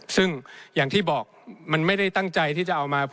ซึ่งอย่างที่บอกมันไม่ได้ตั้งใจที่จะเอามา